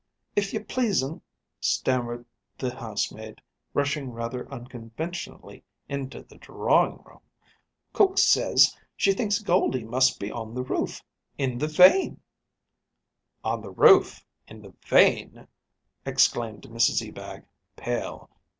"If you please'm," stammered the housemaid, rushing rather unconventionally into the drawing room, "cook says she thinks Goldie must be on the roof, in the vane." "On the roof in the vane?" exclaimed Mrs Ebag, pale.